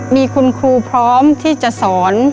มีคุณครูพร้อมที่จะสอน